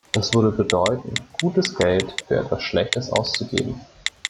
Das würde bedeuten, gutes Geld für etwas Schlechtes auszugeben.